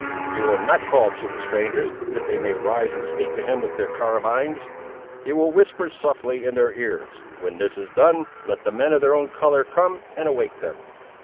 He will not call to the strangers, that they may rise and speak to him with their carabines. He will whisper softly in their ears. When this is done, let the men of their own colour come and awake them!"